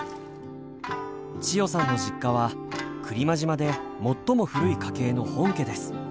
千代さんの実家は来間島で最も古い家系の本家です。